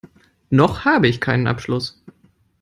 Noch habe ich keinen Abschluss.